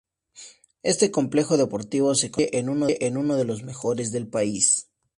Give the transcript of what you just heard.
Este complejo deportivo se constituye en uno de los mejores del país.